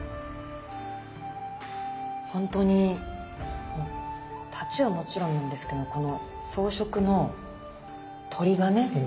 ほんとに太刀はもちろんなんですけどこの装飾の鳥がね